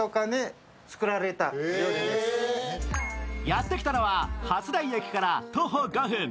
やってきたのは初台駅から徒歩５分。